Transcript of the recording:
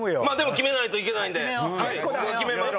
決めないといけないんで決めます！